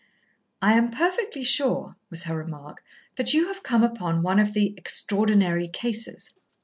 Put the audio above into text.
"I am perfectly sure," was her remark, "that you have come upon one of the Extraordinary Cases."